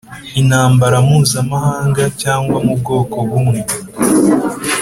intambara Mpuzamahanga cyangwa mu bwoko bumwe